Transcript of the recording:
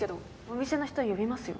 お店の人呼びますよ。